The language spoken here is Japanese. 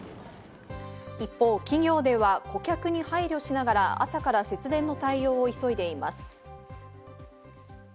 一方、企業では顧客に配慮しながら、朝から節電の対応を急いでいます。